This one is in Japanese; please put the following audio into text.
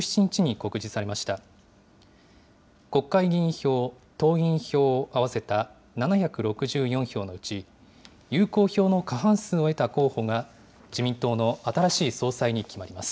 国会議員票、党員票を合わせた７６４票のうち、有効票の過半数を得た候補が自民党の新しい総裁に決まります。